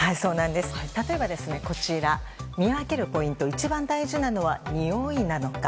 例えば、見分けるポイント一番大事なのはにおいなのか。